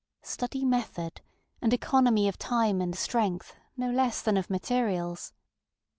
Study method, and economy of time and strength, no less than of materials.